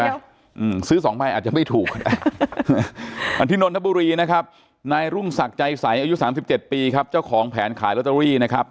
อืมซื้อสองใบอาจจะไม่ถูกอันที่นทบุรีนะครับในรุ่งศักดิ์ใจใสอายุสามสิบเจ้าของแผนขายล็อตเตอรี่นะครับ